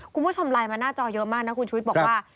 คุณผู้ชมไลน์มาหน้าจอเยอะมากนะคุณชุวิตบอกว่า